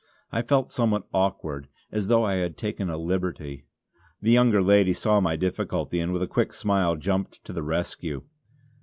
I felt somewhat awkward, as though I had taken a liberty. The younger lady saw my difficulty, and with a quick smile jumped to the rescue.